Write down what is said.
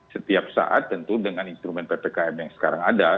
setiap saat tentu dengan instrumen ppkm yang sekarang ada